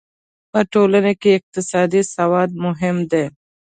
په ټولنه کې اقتصادي سواد مهم دی.